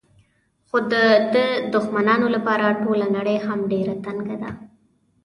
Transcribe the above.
خو د دوو دښمنانو لپاره ټوله نړۍ هم ډېره تنګه ده.